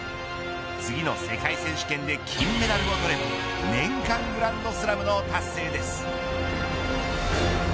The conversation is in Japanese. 次の世界選手権で金メダルを取れば年間グランドスラムの達成です。